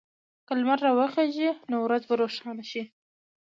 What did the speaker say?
که لمر راوخېژي، نو ورځ به روښانه شي.